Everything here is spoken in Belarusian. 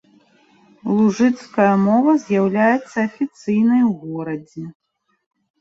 Лужыцкая мова з'яўляецца афіцыйнай у горадзе.